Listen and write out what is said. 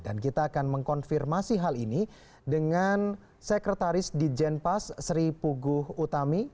dan kita akan mengkonfirmasi hal ini dengan sekretaris di jenpas sri puguh utami